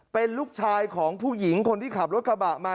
เป็นลูกชายของผู้หญิงคนที่ขับรถกระบะมา